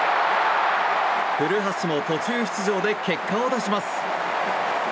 古橋も途中出場で結果を出します。